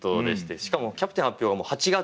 しかもキャプテン発表も８月。